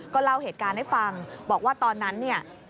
เล่าเหตุการณ์ให้ฟังบอกว่าตอนนั้นเนี่ย